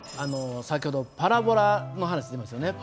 先ほどパラボラの話出ましたよね。